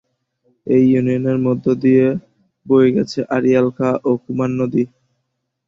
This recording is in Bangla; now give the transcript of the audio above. এই ইউনিয়নের মধ্য দিয়ে বয়ে গেছে আড়িয়াল খাঁ ও কুমার নদী।